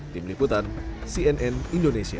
tim liputan cnn indonesia